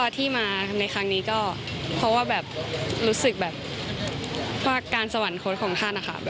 ที่มาในครั้งนี้เพราะว่าการสวรรค์ของท่าน